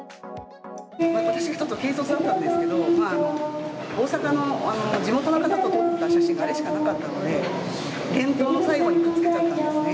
私がちょっと軽率だったんですけど、大阪の地元の方と撮った写真があれしかなかったので、原稿の最後にくっつけちゃったんですね。